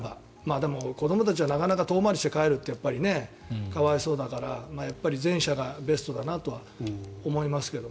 でも、子どもたちはなかなか遠回りして帰るって可哀想だから、やっぱり前者がベストだなとは思いますけど。